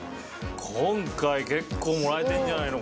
今回結構もらえてるんじゃないの？